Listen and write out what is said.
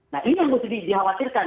nah ini yang mesti dikhawatirkan